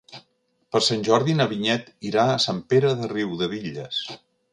Per Sant Jordi na Vinyet irà a Sant Pere de Riudebitlles.